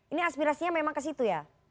ini aspirasinya memang ke situ ya